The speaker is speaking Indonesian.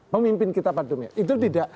pemimpin kita pada dunia itu tidak